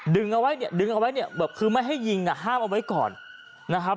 ดึงเอาไว้เนี่ยดึงเอาไว้เนี่ยแบบคือไม่ให้ยิงอ่ะห้ามเอาไว้ก่อนนะครับ